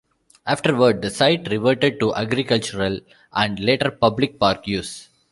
Afterward, the site reverted to agricultural and, later, public park use.